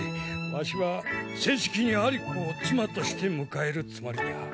わしは正式に有子を妻として迎えるつもりだ。